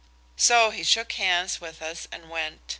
So he shook hands with us and went.